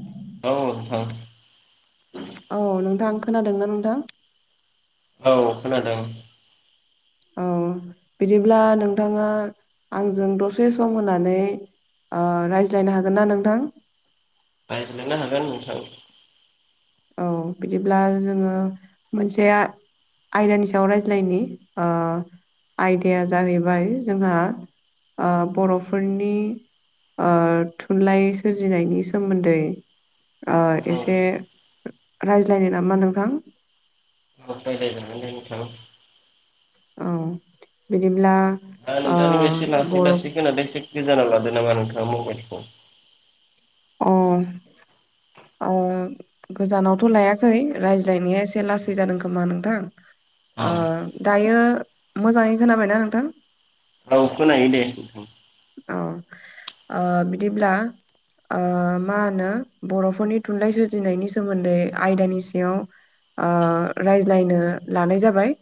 द औ नोंथां। औ नोंथां खोनादोंना नोंथां? औ खोनादों। औ बिदिब्ला नोंथाङा आंजों दसे सम होनानै ओ रायज्लायनो हागोन ना नोंथां? रायज्लायनो हागोन नोंथां। औ बिदिब्ला जोङो मोनसे आ आयदानि सायाव रायज्लायनि ओ आयदाया जाहैबाय जोंहा ओ बर'फोरनि ओ थुनलाइ सोरजिनायनि सोमोन्दै ओ औ एसे रायज्लायनो नामा नोंथां? औ रायलायजागोन दे नोंथां। औ बिदिब्ला आं ओ नोंथांनिखौ एसे लासै बर' लासै खोनादों एसे गोजानाव लादों नामा नोंथाङा मबाइलखौ? अ अ। गोजानावथ' लायाखै रायज्लायनाया एसे लासै जादों खोमा नोंथां। औ ओ दायो मोजाङै खोनाबायना नोंथां? औ खोनायो दे नोंथां। अ औ बिदिब्ला ओ मा होनो बर'फोरनि थुनलाइ सोरजिनायनि सोमोन्दै आयदानि सायाव ओ रायज्लायनो लानाय जाबाय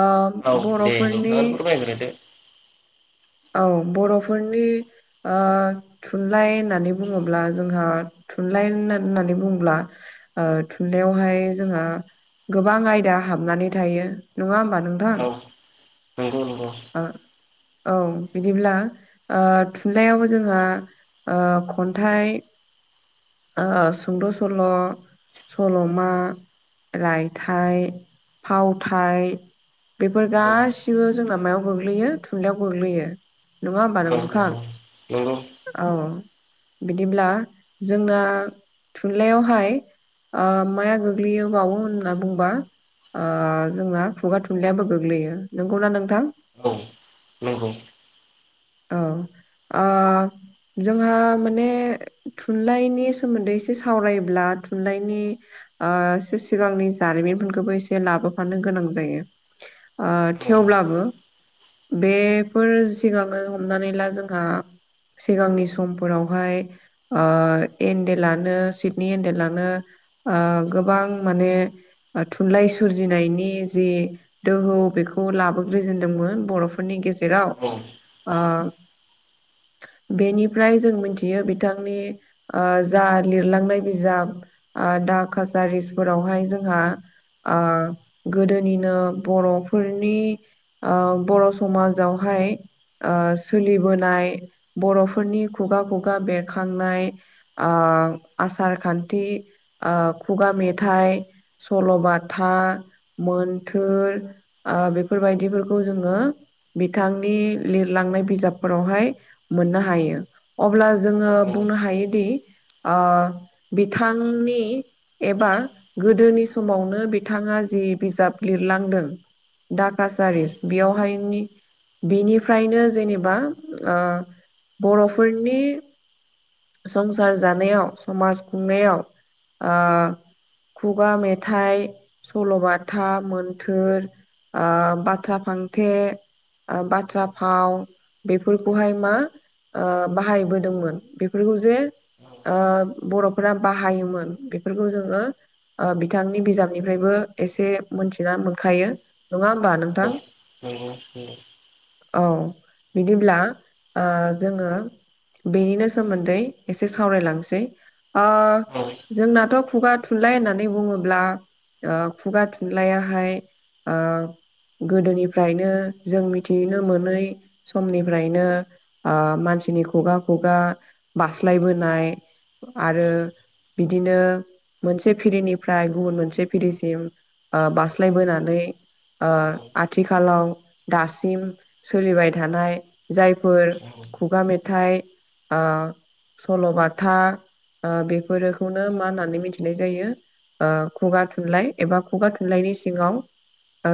ओ औ दे बर'फोरनि [unintelligible] औ बर'फोरनि ओ थुनलाइ होननानै बुङोब्ला जोंहा थुनलाइ होनना-होननानै बुङोब्ला ओ थुनलाइयावहाय जोंहा गोबां आयदा हाबनानै थायो नङा होमबा नों औ नंगौ नंगौ। ओ औ बिदिब्ला ओ थुनलाइयावबो जोंहा ओ खन्थाइ, ओ सुंद' सल' सल'मा, रायथाइ, फावथाय बेफोर औ गासिबो जोंना मायाव गोग्लैयो थुनलाइयाव गोग्लैयो नङा होमबा नंगौ नोंथां नंगौ औ। बिदिब्ला जोंना थुनलाइयावहाय ओ माया गोग्लैयोबावो होनना बुंबा ओ जोंना खुगा थुनलाइयाबो गोग्लैयो नंगौना नोंथां? औ नंगौ। औ ओ जोंहा माने थुनलाइनि सोमोन्दै एसे सावरायब्ला थुनलाइनि ओ एसे सिगांनि जारिमिनफोरखौबो एसे लाबोफानो गोनां जायो। ओ औ नंगौ औ थेवब्लाबो बेफोर सिगाङो हमनानै ला जोंहा सिगांनि समफोरावहाय ओ एनडेलानो सिडनि एनडेलानो ओ गोबां माने ओ थुनलाइ सोरजिनायनि जि दोहौ बेखौ लाबोग्रोजेनदोंमोन बर' फोरनि गेजेराव ओ बेनिफ्राय जों मोनथियो बिथांनि ओ जा लिरलांनाय बिजाब ओ दा कासारिस फोरावहाय जोंहा ओ गोदोनिनो बर'फोरनि ओ बर' समाजावहाय सोलिबोनाय बर'फोरनि खुगा खुगा बेरखांनाय आसार खान्थि, खुगा मेथाइ सल'बाथा, मोनथोर बेफोरबायदिफोरखौ जोङो बिथांनि लिरलांनाय बिजाबफोरावहाय मोननो हायो। अब्ला जोङो औ बुंनो हायोदि बिथांनि एबा गोदोनि समावनो बिथाङा जि बिजाब लिरलांदों डा कासारिस बेयावहायनि बेनिफ्रायनो जेनेबा बर'फोरनि संसार जानायाव समाज खुंनायाव खुगा मेथाइ, सल'बाथा, मोन्थोर बाथ्रा फांथे बाथ्रा फाव बेफोरखौहाय मा बाहायबोदोंमोन। बेफोरखौ जे बर'फोरा बाहायोमोन, बेफोरखौ जोङो बिथांनि बिजाबनिफ्रायबो एसे मोनथिना मोनखायो। नङा होमबा नोंथां? औ औ बिदिब्ला जोङो बेनिनो सोमोन्दै एसे सावरायलांनोसै। जोंनाथ' खुगा थुनलाइ होननानै बुङोब्ला खुगा थुनलायाहाय गोदोनिफ्रायनो जों मिथिनो मोनै समनिफ्रायनो मानसिनि खुगा खुगा बास्लायबोनाय आरो बिदिनो मोनसे फिरिनिफ्राय गुबुन मोनसे फिरिसिम बास्लायबोनानै ओ आथिखालाव दासिम सोलिबाय थानाय जायफोर खुगा मेथाइ ओ [unintelligible] सल'बाथा बेफोरखौनो मा होननानै मिथिनाय जायो खुगा थुनलाइ एबा खुगा थुनलाइनि सिङाव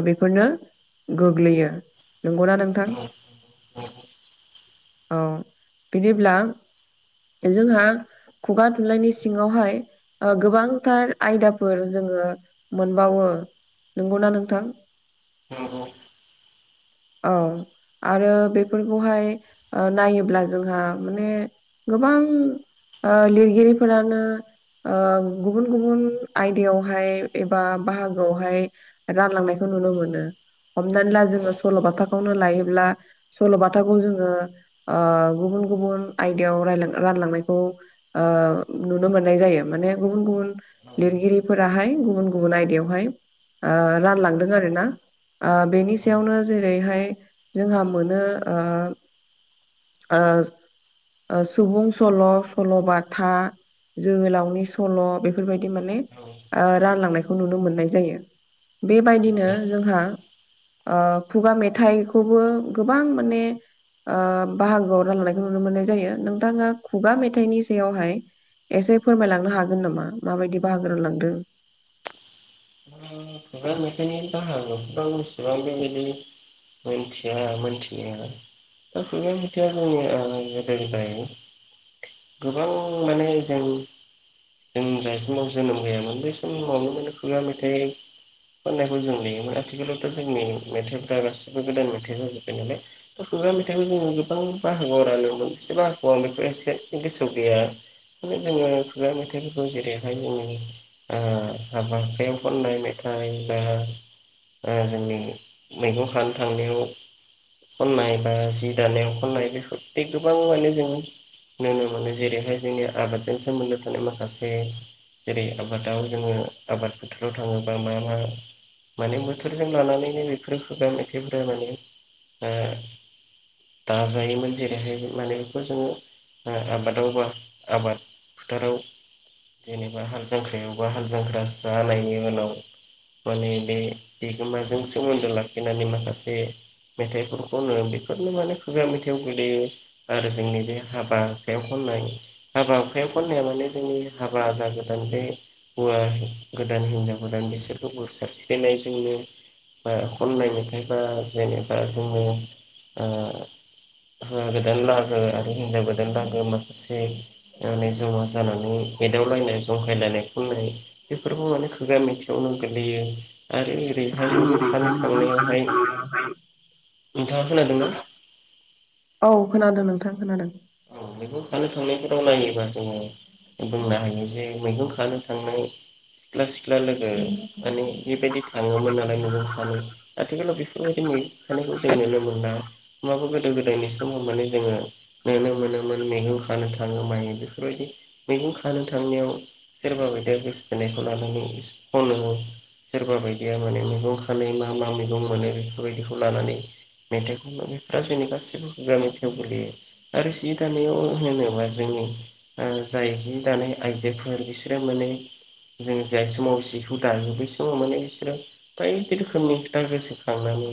बेफोरनो गोग्लैयो। नंगौना नोंथां? नंगौ औ बिदिब्ला जोंहा खुगा थुनलाइनि सिङावहाय गोबांथार आयदाफोर जोङो मोनबावो। नंगौना नोंथां? औ औ। औ आरो बेफोरखौहाय नायोब्ला जोंहा माने गोबां लिरगिरिफोरानो गुबुन गुबुन आयदायावहाय एबा बाहागोआवहाय रानलांनायखौ नुनो मोनो। हमनानै ला नंगौ जोङो सल'बाथा खौनो लायोब्ला सल'बाथाखौ जोङो गुबुन गुबुन आयदायाव रायलां रानलांनायखौ नुनो मोननाय जायो। माने गुबुन गुबुन लिरगिरिफोराहाय गुबुन गुबुन आयदायावहाय रानलांदों आरोना। बेनि सायावनो जेरैहाय जोंहा मोनो ओ सुबुं सल', सल'बाथा, जोहोलावनि सल' बे बेफोरबायदि माने खुगा रानलांनायखौ नुनो मोननाय जायो। बेबायदिनो जोंहा खुगा मेथाइखौबो गोबां माने बाहागोआव रानलायनायखौ नुनो मोननाय जायो। नोंथाङा खुगा मेथाइनि सायावहाय एसे फोरमायलांनो हागोन नामा माबायदि बाहागो रानलांदों? खुगा मेथाइनि बाहागो गोबां एसेबां बेबायदि [unintelligible] मिनथिया मिनथिनायालाय दा खुगा थुनलाइया जोंनिया गोदोनिफ्राय [inaudible] गोबां माने जों जों जाय समाव जोनोम गैयामोन बै समावनो माने खुगा मेथाइ खननायखौ जों नुयोमोन आथिखालावथ' जोंनि मेथाइफ्रा गासिबो गोदान मेथाइ जाजोब्बाय नालाय दा खुगा मेथाइखौ जोङो गोबां बाहागोआव रानोमोन बेसेबा बाहागोआव आं बेफोर एसे गोसोआव गैया जोङो खुगा मेथाइफोरखौ जेरैहाय जोंनि हाबा खननाय मेथाइ बा जोंनि मैगं खानो थांनायाव खननाय बा जि दानायाव खननाय बेफोर बे गोबां माने जों नुनो मोनो जेरैहाय जोंनि आबादजों सोमोन्दो थानाय माखासे जेरै आबादाव जोङो आबाद फोथोराव थाङोबा मा मा माने बोथोरजों लानानैनो बेफोर खुगा मेथाइफोरा माने दाजायोमोन जेरैहाय माने बेखौ जोङो आबादावबा आबाद फोथाराव जेनेबा हाल जांख्रायावबा हाल जांख्रा जानायनि उनाव। माने बे बिगोमाजों सोमोन्दो लाखिनानै माखासे मेथाइफोरखौनो बेफोरनो माने खुगा मेथाइआव गोलैयो आरो जोंनि बे हाबा हुखायाव खननाय हाबा हुखायाव खननाया माने जोंनि हाबा जागोदान हौवा गोदान हिनजाव गोदान बिसोरखौ बोर सारस्रिनायजोंनो बा खननाय मेथाइबा जेनेबा जोङो। हौवा गोदान लागो आरो हिनजाव गोदान लागो माखासे। जमा जानानै एदाव लायनाय जंखाय लायनाय खननाय बेफोरखौ माने। खुगा मेथायावनो गोग्लैयो। आरो ओरैहाय मैगं खानो थांनायावहाय नोंथाङा खोनादोंना। औ खोनादों नोंथां खोनादों। औ मैगं खानो थांनायफोराव नायोबा जोङो। बुंनो हायो जे मैगं खानो थांनाय। सिख्ला सिख्ला लोगो माने बेबायदि थाङोमोन नालाय मैगं खानो। आथिखालाव बेफोरबायदि मैगं खानायखौ जों नुनो मोनला होमबा गोदो गोदायनि सम माने जोङो। नुनो मोनोमोन मैगं खानो थाङो माइ बेफोरबायदि मैगं खानो थांनायाव। सोरबा बायदिया गोसोथोननायखौ लानानै खनो। सोरबा बायदिया माने मैगं खानानै मा मा मैगं मोनो बेफोरबायदिखौ लानानै मेथाइ खनो जोंनि गासिबो खुगा मेथाइआव गोलैयो। आरो जि दानायाव होनोब्ला जोंनि जाय जि दानाय आइजोफोर बिसोरो माने जों जाय समाव जिखौ दायो बै समाव माने बिसोरो। बायदि रोखोमनि खोथा गोसोखांनानै।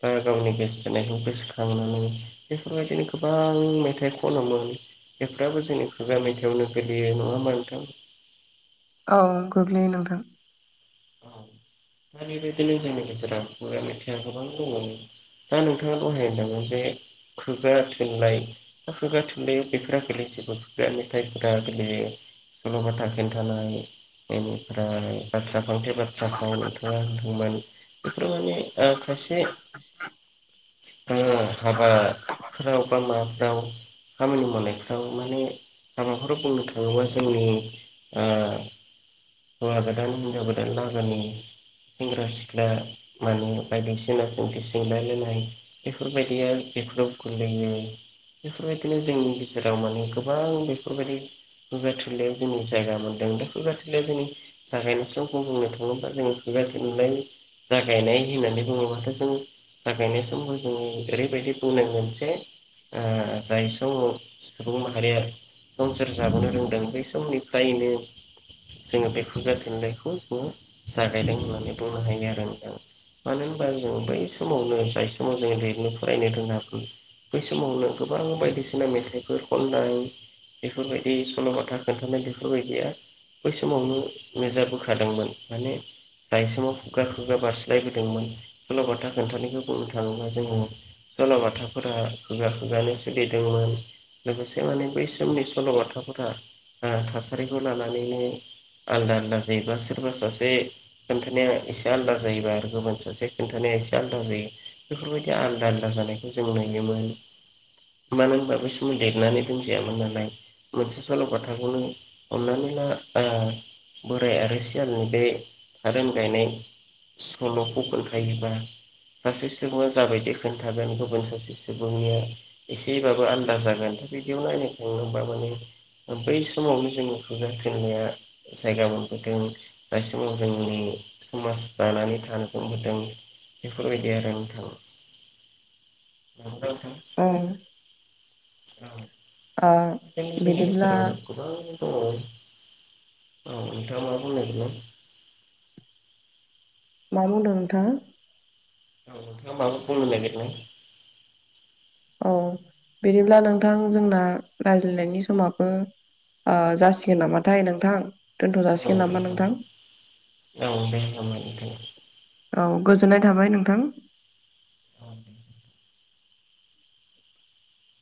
बा गावनि गोसथोनायखौ गोसोखांनानै बेफोरबायदिनो गोबां। गोबां मेथाइ खनमोन बेफ्राबो जोंनि खुगा मेथाइआवनो गोग्लैयो नङा होनबा नोंथां। औ गोग्लैयो नोंथां। औ दा बेबायदिनो जोंनि गेजेराव खुगा मेथाइआ गोबां दङमोन। दा नोंथाङा दहाय होनलां जे खुगा थुनलाय। खुगा थुनलाइयाव बेफोरा गोलैजोबो खुगा मेथाइफोरा गोलैयो। सल'बाथा खिन्थानाय बेनिफ्राय बाथ्रा फांथे बाथ्रा फ्राव नोंथाङा। मान बेफोर माने खायसे [inaudible] हाबाफोराव बा माबाफोराव। खामानि मावनायफ्राव माने हाबाफोराव बुंनो थाङोबा जोंनि ओ हौवा गोदान हिनजाव गोदान लागोनि सेंग्रा सिख्ला माने बायदिसिना सोंथि सोंलाय लायनाय बेफोरबायदिया बेफोराव गोलैयो। बेफोरबायदिनो जोंनि गेजेराव माने गोबां बेफोरबायदि खुगा थुलायाव जोंनि जायगा मोनदों दा खुगा थुलायाव जोंनि जागायनो सम [unintelligible] बुंनो थाङोबा जों खुगा थुनलाय जागायनाय होननानै बुङोबाथ' जों जागायनाय समाव जोङो ओरैबायदि बुंनांगोन जे ओ जाय सु-सुबुं माहारिया संसार जाबोनो रोंदों बै समनिफ्रायनो जोङो बे खुगा थुनलाइखौ खौ जागायनाय होननानै बुंनो हायो आरो नोंथां। मानो होनबा जों बै समावनो जाय समाव जोङो लिरनो फरायनो रोङाबो बै समावनो गोबां बायदिसिना मेथाइफोर खननाय। बेफोरबायदि सल'बाथा खोन्थानाय बेफोरबायदिया बै समावनो मो जाबो खादोंमोन माने जाय समाव खुगा खुगा बारस्लायबोदोंमोन सल'बाथा खोन्थानायखौ बुंनो थाङोब्ला जोङो सल'बाथाफोरा खुगा खुगानो सोलिदोंमोन। लोगोसे माने बै समनि सल'बाथाफोरा ओ थासारिखौ लानानैनो आलदा आलदा जायोबा सोरबा सासे खोन्थानाया एसे आलादा जायोबा आरो गुबुन सासे खोनन्थानाया एसे आलादा जायो। बेफोरबायदि आलदा आलदा जानायखौ जों नुयोमोन। मानो होनबा बै सम लिरनानै दोनजायामोन नालाय। मोनसे सल'बाथाखौनो हमनानै ला ओ बोराय आरो सियालनि बे थारोन गायनाय सल'खौ खोन्थायायोबा सासे सुबुङा जाबायदि खोन्थागोन गुबुन सासे सुबुंनिया एसेबाबो आलदा जागोन बिदियाव नायनो थांनोबा माने ओ बै समावनो जोङो खुगा थुन्लाया जायगा मोनबोदों दायसिमाव जोंनि समाज दानानै थानो [unintelligible] बेफोरबायदि आरो नोंथां [unintelligible] नोंथां। ओ ओ बिदिब्ला [unintelligible] औ नोंथाङा मा बुं [unintelligible] मा बुंदों नोंथाङा? औ थाङा माबा बुंनो नागिरनाय? औ बिदिब्ला नोंथां जोंना रायज्लायनायनि समाबो ओ जासिगोन नामाथाय नोंथां? दोनथ' औ जासिगोन नामा नोंथां औ दे [unintelligible] नोंथां। औ गोजोननाय थाबाय नोंथां। [unintelligible]